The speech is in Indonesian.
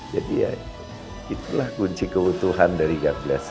jadi itulah kunci kebutuhan dari god bless